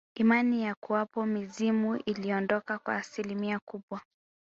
Imani ya kuwapo mizimu iliondoka kwa asilimia kubwa